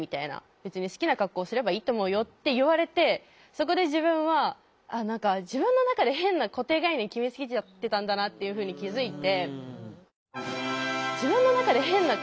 「別に好きな格好すればいいと思うよ」って言われてそこで自分は「自分のなかで変な固定概念決めつけちゃってたんだな」っていうふうに気付いて。